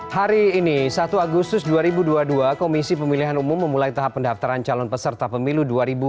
hari ini satu agustus dua ribu dua puluh dua komisi pemilihan umum memulai tahap pendaftaran calon peserta pemilu dua ribu dua puluh